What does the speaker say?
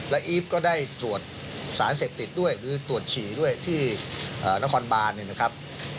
และอีฟก็ได้ตรวจสารเสพติดด้วยหรือตรวจฉี่ด้วยที่นครบานเนี่ยนะครับ